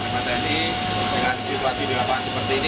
tentunya dengan situasi di lapangan seperti ini